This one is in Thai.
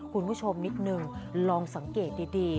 คุณผู้ชมนิดนึงลองสังเกตดี